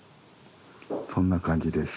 そんな感じです。